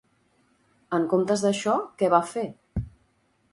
En comptes d'això, què va fer?